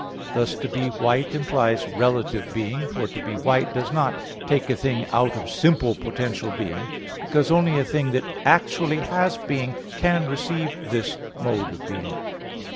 Thus to be white implies relative being, for to be white does not take a thing out of simply potential being; because only a thing that actually has being can receive this mode of being.